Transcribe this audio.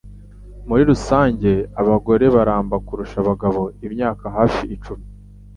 Muri rusange abagore baramba kurusha abagabo imyaka hafi icumi